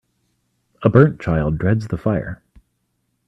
A burnt child dreads the fire